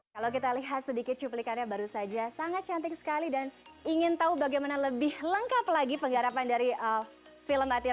kalau kita lihat sedikit cuplikannya baru saja sangat cantik sekali dan ingin tahu bagaimana lebih lengkap lagi penggarapan dari film atir